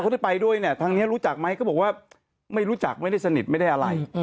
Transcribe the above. ที่ไปด้วยเนี่ยทางนี้รู้จักไหมก็บอกว่าไม่รู้จักไม่ได้สนิทไม่ได้อะไร